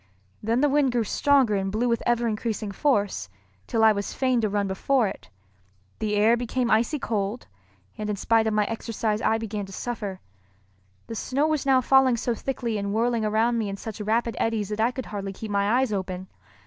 Then the wind grew stronger and blew with ever increasing force, till I was fain to run before it. The air became icy cold, and in spite of my exercise I began to suffer. The snow was now falling so thickly and whirling around me in such rapid eddies that I could hardly keep my eyes open.